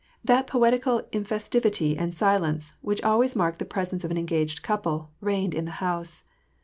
That poetical infestivity and silence, which always mark the presence of an engaged couple, reigned in the house.